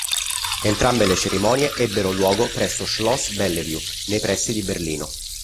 Entrambe le cerimonie ebbero luogo presso Schloss Bellevue, nei pressi di Berlino.